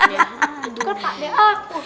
itu kan pak ade aku